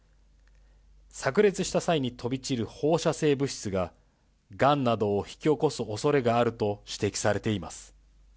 さく裂した際に飛び散る放射性物質が、がんなどを引き起こすおそれがあると指摘されています。